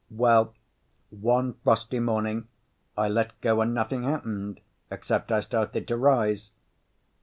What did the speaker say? "Well, one frosty morning I let go and nothing happened, except I started to rise.